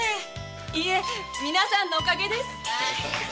いぇ皆さんのお陰です。